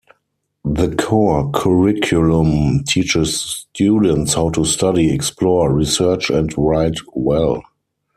The core curriculum teaches students how to study, explore, research, and write well.